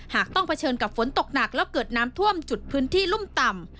ต้องเผชิญกับฝนตกหนักแล้วเกิดน้ำท่วมจุดพื้นที่รุ่มต่ำ